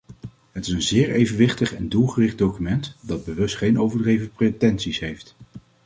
Het is een zeer evenwichtig en doelgericht document, dat bewust geen overdreven pretenties heeft.